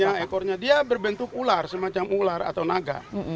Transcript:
ya ekornya dia berbentuk ular semacam ular atau naga